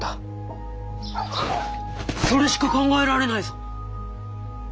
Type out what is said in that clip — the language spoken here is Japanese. それしか考えられないぞ！